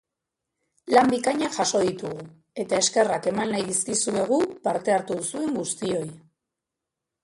Lan bikainak jaso ditugu eta eskerrak eman nahi dizkizuegu parte hartu duzuen guztioi!